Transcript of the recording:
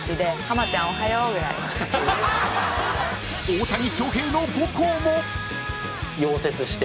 ［大谷翔平の母校も！］